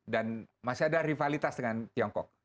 dan masih ada rivalitas dengan tiongkok